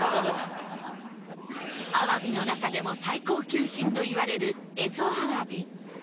アワビの中でも最高級品といわれる蝦夷アワビ